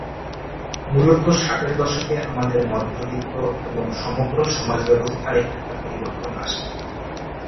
মূলত ষাটের দশকে আমাদের মধ্যবিত্ত এবং সমগ্র সমাজব্যবস্থায় একটা পরিবর্তন আসে।